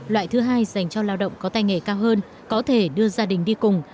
loại thứ hai dành cho lao động có tay nghề cao hơn có thể đưa gia đình đi cùng